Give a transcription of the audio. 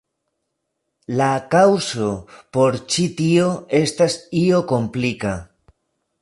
La kaŭzo por ĉi tio estas io komplika.